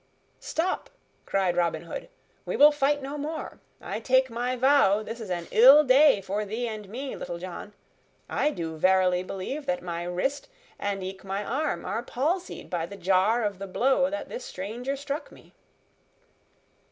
"Stop!" cried Robin Hood, "we will fight no more. I take my vow, this is an ill day for thee and me, Little John. I do verily believe that my wrist, and eke my arm, are palsied by the jar of the blow that this stranger struck me."